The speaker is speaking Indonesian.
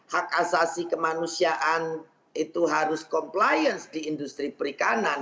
hak asasi kemanusiaan itu harus compliance di industri perikanan